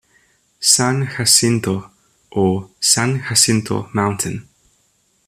San Jacinto" or "San Jacinto Mountain.